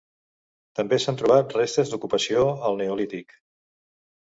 També s'han trobat restes d'ocupació al neolític.